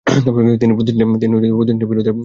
তিনি প্রতিষ্ঠানটির বিরোধের মুখে পরেন।